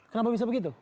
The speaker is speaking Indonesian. kenapa bisa begitu